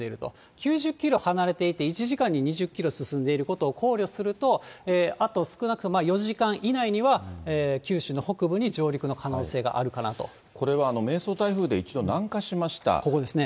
９０キロ離れていて１時間に２０キロ進んでいることを考慮すると、あと少なくとも４時間以内には九州の北部に上陸の可能性があるかそれは迷走台風で一度、ここですね。